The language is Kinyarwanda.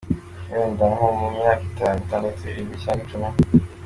Wenda nko mu myaka itanu, itandatu, irindwi cyangwa icumi.